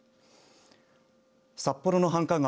札幌の繁華街